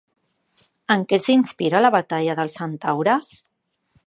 En què s'inspira La Batalla dels centaures?